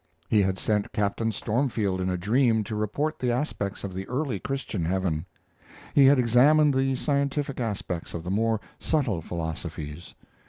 He had sent Captain Stormfield in a dream to report the aspects of the early Christian heaven. He had examined the scientific aspects of the more subtle philosophies.